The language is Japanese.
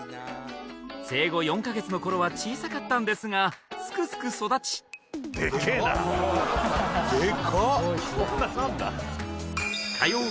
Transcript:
生後４カ月の頃は小さかったんですがすくすく育ちでかっ！